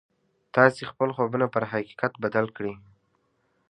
تاسې خپل خوبونه پر حقيقت بدل کړئ.